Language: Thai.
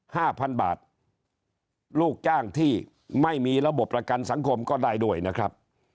ห้าพันบาทลูกจ้างที่ไม่มีระบบประกันสังคมก็ได้ด้วยนะครับ